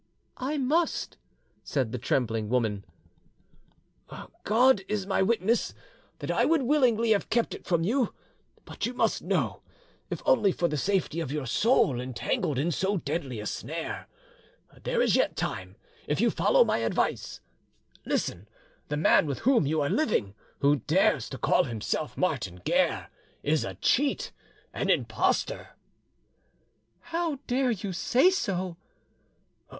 "I must," said the trembling woman. "God is my witness that I would willingly have kept it from you, but you must know; if only for the safety of your soul entangled in so deadly a snare,... there is yet time, if you follow my advice. Listen: the man with whom you are living, who dares to call himself Martin Guerre, is a cheat, an impostor——" "How dare you say so?"